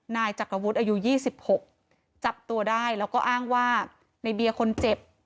นายจักรวุฒิอายุ๒๖จับตัวได้แล้วก็อ้างว่าในเบียร์คนเจ็บ